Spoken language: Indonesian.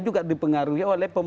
juga dipengaruhi oleh publik